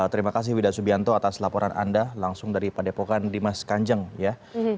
terima kasih widha subianto atas laporan anda langsung dari pak depokan dimas kanjeng ya